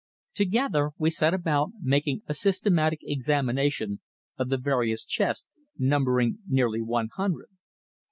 Together we set about making a systematic examination of the various chests, numbering nearly one hundred.